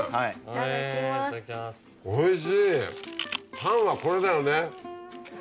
パンはこれだよね。